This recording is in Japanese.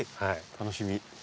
楽しみ。